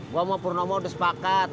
gue sama purnomo udah sepakat